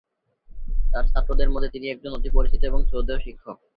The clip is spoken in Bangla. তার ছাত্রদের মধ্যে তিনি একজন অতি পরিচিত এবং শ্রদ্ধেয় শিক্ষক।